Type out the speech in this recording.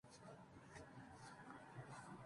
Diseñadora va mucho con la moda y la moda no me gusta.